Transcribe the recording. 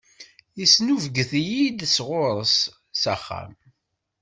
Yesnubget-iyi-d ɣur-s s axxam.